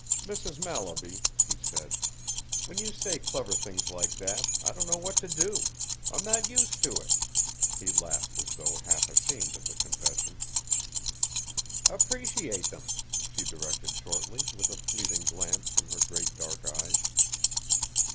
"Mrs. Mallaby," he said, "when you say clever things like that I don't know what to do. I'm not used to it." He laughed as though half ashamed of the confession. "Appreciate them," she directed shortly with a fleeting glance from her great dark eyes.